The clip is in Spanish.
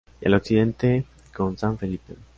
Y al occidente, con San Felipe.